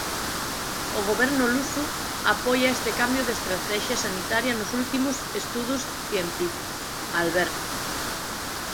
O Goberno luso apoia este cambio de estratexia sanitaria nos últimos estudos científicos: Alberto.